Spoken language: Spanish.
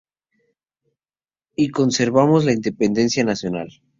Y conservemos la independencia nacional.